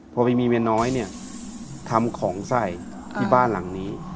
พอไปมีเมียน้อยเนี่ยทำของใส่ที่บ้านหลังนี้